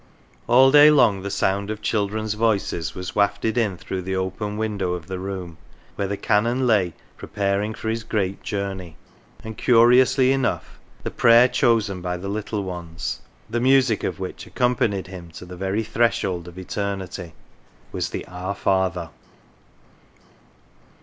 All day long the sound of children's voices was wafted in through the open window of the room where the Canon lay prepar ing for his great journey, and curiously enough, the prayer chosen by the little ones, the music of which accompanied him to the veiy threshold of Eternity, was. the " Our Father."